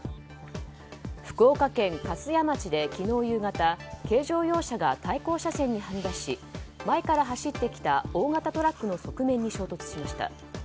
福岡県粕屋町で昨日夕方軽乗用車が対向車線にはみ出し前から走ってきた大型トラックの側面に衝突しました。